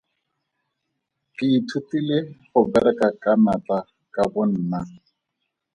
Ke ithutile go bereka ka natla ka bonna.